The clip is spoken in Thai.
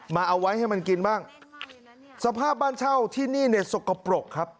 เอาไว้ให้มันกินบ้างสภาพบ้านเช่าที่นี่เนี่ยสกปรกครับ